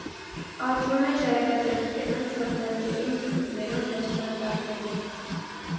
Աճում է ժայռաճեղքերում, չոր լանջերին, թփուտներում, նոսրանտառներում։